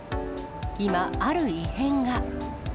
今、ある異変が。